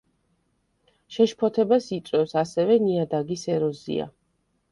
შეშფოთებას იწვევს, ასევე, ნიადაგის ეროზია.